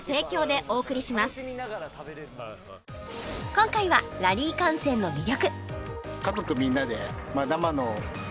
今回はラリー観戦の魅力